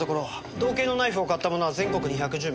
同型のナイフを買った者は全国に１１０名。